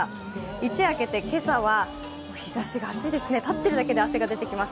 一夜明けて今朝は日ざしが暑いですね、立ってるだけで汗が出てきます。